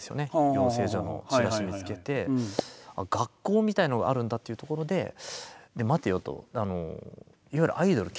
養成所のチラシ見つけて学校みたいのがあるんだっていうところで待てよと。